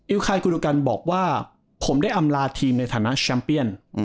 อิลไคด์กุฎกันบอกว่าผมได้อำลาทีมในฐานะแชมป์พีมอิลิกส์